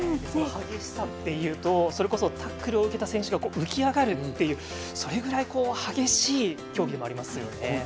激しさっていうとタックルを受けた選手が浮き上がるっていう、それぐらい激しい競技でもありますよね。